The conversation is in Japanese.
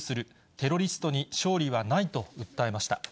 テロリストに勝利はないと訴えました。